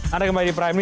anda kembali di prime